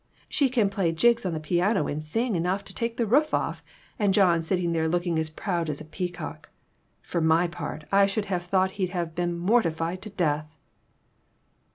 She can play jigs on the piano and sing enough to take the roof off, and John sitting there look ing as proud as a peacock. For my part, I should have thought he'd have been mortified to death."